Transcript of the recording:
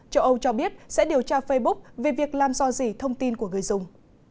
châu âu cho biết sẽ điều tra facebook về việc làm so gì thông tin của người dùng